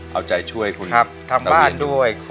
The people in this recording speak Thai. เอาใจช่วยคุณทางบ้านด้วย